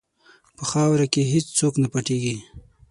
په خاوره کې هېڅ څوک نه پټیږي.